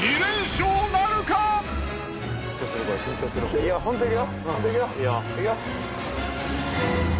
いいよ。